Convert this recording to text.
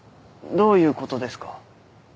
どういうことですか？